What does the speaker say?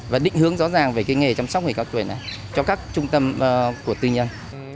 và định hướng rõ ràng về cái nghề chăm sóc người cao tuổi này cho các trung tâm của tư nhân